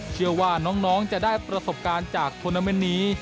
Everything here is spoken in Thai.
เชื่อว่าน้องจะได้ประสบการณ์จากทวนาเมนต์นี้